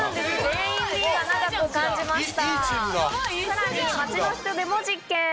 全員Ｂが長く感じた。